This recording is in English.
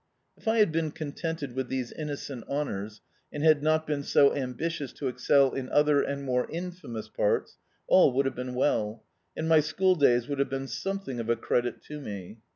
If I had been contented with diese innocent honours, and had not been so ambitious to excel in other and more infamous parts, all would have been well, and my schooldays would have been something of a credit to me.